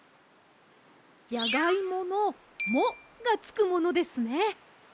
じゃがいもの「も」がつくものですね。